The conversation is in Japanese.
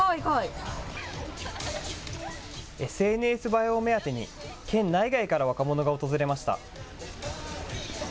ＳＮＳ映えを目当てに、県内外から若者が訪れました。